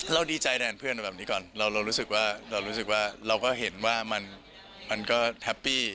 เราดีใจด้านเพื่อนแบบนี้ก่อนเรารู้สึกว่าเราก็เห็นว่ามันก็แฮปปี้